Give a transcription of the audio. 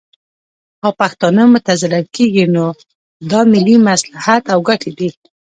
او پښتانه متضرر کیږي، نو دا ملي مصلحت او ګټې دي